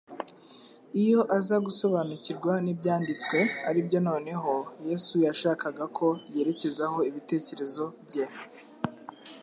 iyo aza gusobanukirwa n'Ibyanditswe aribyo noneho Yesu yashakaga ko yerekezaho ibitekerezo bye !